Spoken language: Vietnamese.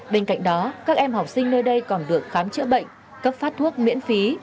bên cạnh đó các em học sinh nơi đây còn được khám chữa bệnh cấp phát thuốc miễn phí